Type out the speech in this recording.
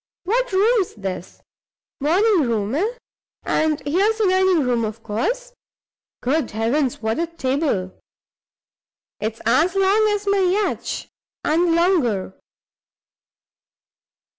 What room's this? Morning room, eh? And here's the dining room, of course. Good heavens, what a table! it's as long as my yacht, and longer.